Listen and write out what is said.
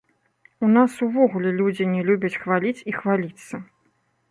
У нас увогуле людзі не любяць хваліць і хваліцца.